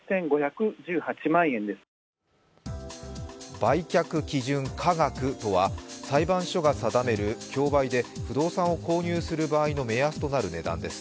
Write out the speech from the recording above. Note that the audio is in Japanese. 売却基準価額とは裁判所が定める競売で不動産を購入する場合の目安となる値段です。